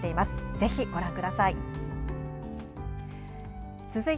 ぜひ、ご覧ください。